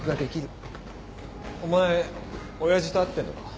お前親父と会ってんのか？